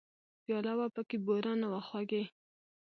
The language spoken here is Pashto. پیاله وه پکې بوره نه وه خوږې !